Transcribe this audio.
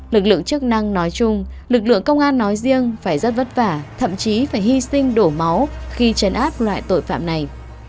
lực lượng chức năng nói chung lực lượng công an nói riêng phải rất vất vả thậm chí phải hy sinh đổ máu khi chấn áp loại tội phạm này